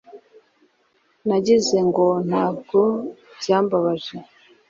Nagize ngo ntabwo byambabaje